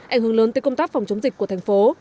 ảnh hưởng lớn tới công tác phòng chống dịch của thành phố